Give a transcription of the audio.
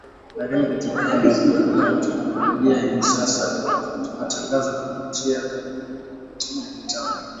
lakini kutokana na kuendelea kwa teknolojia hivi sasa tunatangaza kupitia pia kwenye mitambo